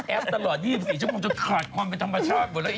แอปตลอด๒๔ชั่วโมงจะขอดความที่ธรรมชาติ